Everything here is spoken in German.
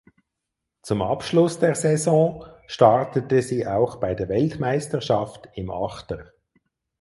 Zum Abschluss der Saison startete sie auch bei der Weltmeisterschaft im Achter.